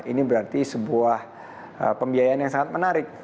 ini berarti sebuah pembiayaan yang sangat menarik